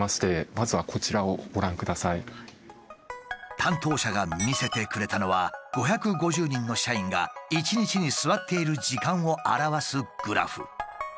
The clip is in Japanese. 担当者が見せてくれたのは５５０人の社員が１日に座っている時間を表すグラフ。